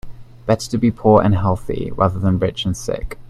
Better to be poor and healthy rather than rich and sick.